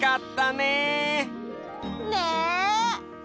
ねえ！